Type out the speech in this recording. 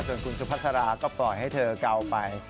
ส่วนคุณสุภาษาราก็ปล่อยให้เธอเกาไป